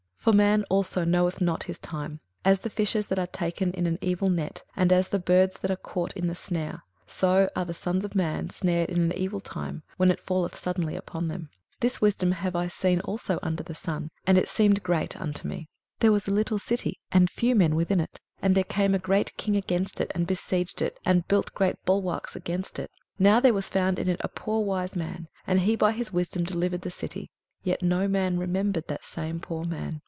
21:009:012 For man also knoweth not his time: as the fishes that are taken in an evil net, and as the birds that are caught in the snare; so are the sons of men snared in an evil time, when it falleth suddenly upon them. 21:009:013 This wisdom have I seen also under the sun, and it seemed great unto me: 21:009:014 There was a little city, and few men within it; and there came a great king against it, and besieged it, and built great bulwarks against it: 21:009:015 Now there was found in it a poor wise man, and he by his wisdom delivered the city; yet no man remembered that same poor man.